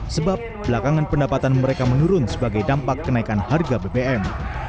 sebab belakangan pendapatan mereka menurun sebagai dampak kenaikan harga bbm